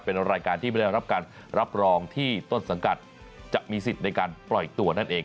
เป็นรายการที่ไม่ได้รับการรับรองที่ต้นสังกัดจะมีสิทธิ์ในการปล่อยตัวนั่นเอง